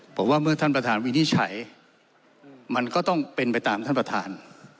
ผมว่าเมื่อท่านประธานวินิจฉัยมันก็ต้องเป็นไปตามท่านประธาน